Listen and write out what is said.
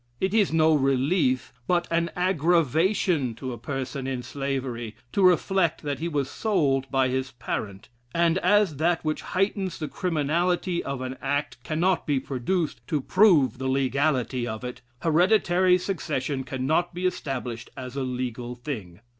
It is no relief, but an aggravation to a person in slavery, to reflect that he was sold by his parent; and as that which heightens the criminality of an act cannot be produced to prove the legality of it, hereditary succession cannot be established as a legal thing....